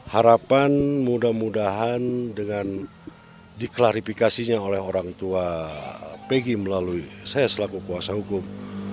harapan mudah mudahan dengan diklarifikasinya oleh orang tua pegi melalui saya selaku kuasa hukum